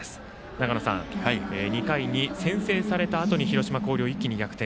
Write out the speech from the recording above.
長野さん、２回に先制されたあとに広島・広陵一気に逆転。